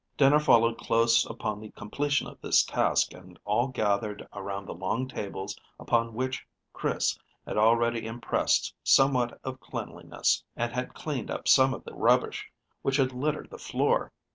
Dinner followed close upon the completion of this task, and all gathered around the long tables upon which Chris had already impressed somewhat of cleanliness, and had cleaned up some of the rubbish which had littered the floor.